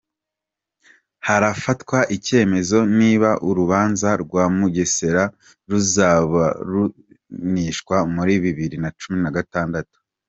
Harafatwa icyemezo niba urubanza rwa Mugesera ruzaburanishwa muri bibiri nacumi nagatatu